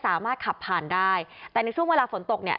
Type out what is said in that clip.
สามารถขับผ่านได้แต่ในช่วงเวลาฝนตกเนี่ย